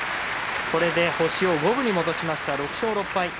これで星を五分に戻しました６勝６敗。